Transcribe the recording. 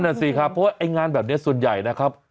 นั่นสิครับเพราะว่าไอ้งานแบบนี้ส่วนใหญ่นะครับ